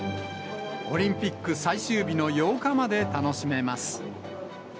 オリンピック最終日の８日まで楽しめます。